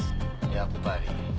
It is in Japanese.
やっぱり。